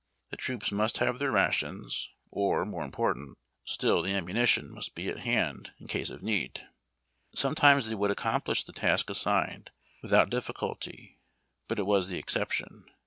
The troops must have their rations, or, more important still, the ammunition must be at hand in case of need. Sometimes they would accomplish the task assigned without difficulty, but it was the exception.